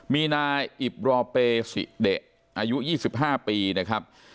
มีนายอิบรอเปซิเดะอายุ๒๕ปีนะครับ